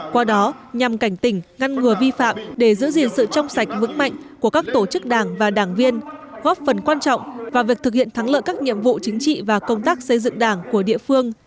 qua đó nhằm cảnh tỉnh ngăn ngừa vi phạm để giữ gìn sự trong sạch vững mạnh của các tổ chức đảng và đảng viên góp phần quan trọng vào việc thực hiện thắng lợi các nhiệm vụ chính trị và công tác xây dựng đảng của địa phương